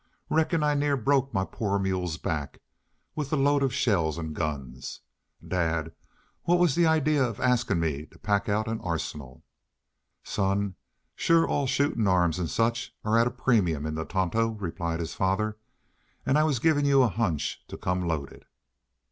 "Reckon I near broke my poor mule's back with the load of shells an' guns. Dad, what was the idea askin' me to pack out an arsenal?" "Son, shore all shootin' arms an' such are at a premium in the Tonto," replied his father. "An' I was givin' you a hunch to come loaded."